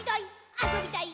あそびたい！